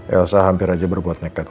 elsa hampir aja berbuat nekat